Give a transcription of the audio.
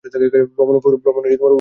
ভ্রমন উপভোগ করুন।